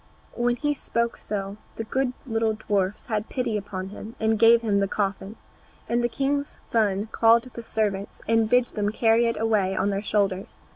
When he so spoke the good little dwarfs had pity upon him and gave him the coffin, and the king's son called his servants and bid them carry it away on their shoulders.